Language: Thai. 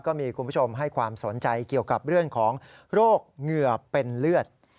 ก็มีคุณผู้ชมให้ความสนใจเกี่ยวกับเรื่องของโรคเหงื่อเป็นเลือด